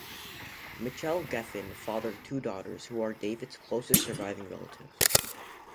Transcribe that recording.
Mitchell Geffen fathered two daughters, who are David's closest surviving relatives.